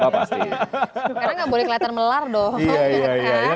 karena nggak boleh kelihatan melar dong